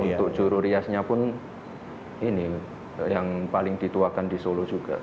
untuk juru riasnya pun ini yang paling dituakan di solo juga